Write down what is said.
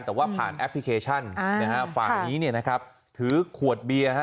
แต่ว่าผ่านแอปพลิเคชันนะฮะฝ่ายนี้เนี่ยนะครับถือขวดเบียร์ฮะ